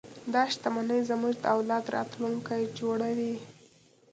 دا شتمنۍ زموږ د اولاد راتلونکی جوړوي.